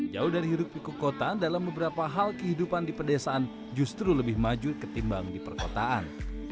jauh dari hirup pikuk kota dalam beberapa hal kehidupan di pedesaan justru lebih maju ketimbang di perkotaan